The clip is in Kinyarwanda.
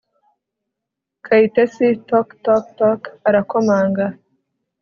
Kayitesi Tok tok tok arakomanga